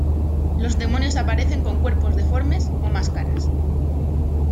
Los demonios aparecen con cuerpos deformes, o máscaras.